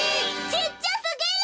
ちっちゃすぎる！